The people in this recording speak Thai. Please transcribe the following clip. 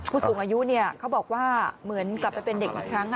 ผู้สูงอายุเขาบอกว่าเหมือนกลับไปเป็นเด็กอีกครั้ง